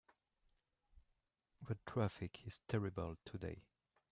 The traffic is terrible today.